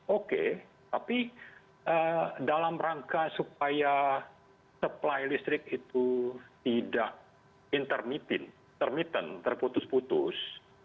oke tapi dalam rangka supaya supply listrik itu tidak termittent terputus putus